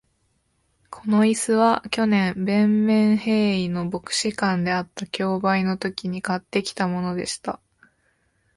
この椅子は、去年、ヴェンメンヘーイの牧師館であった競売のときに買ってきたものでした。